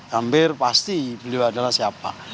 hampir pasti beliau adalah siapa